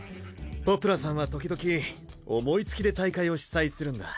ポプラさんはときどき思いつきで大会を主催するんだ。